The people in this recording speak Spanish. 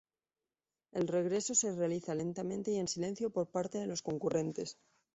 El regreso se realiza lentamente y en silencio por parte de los concurrentes.